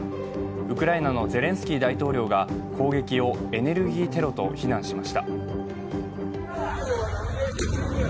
ウクライナのゼレンスキー大統領が攻撃をエネルギーテロと非難しました。